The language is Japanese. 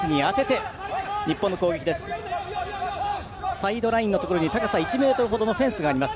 サイドラインのところに高さ１ｍほどのフェンスがあります。